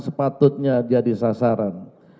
sepatutnya jadi sasaran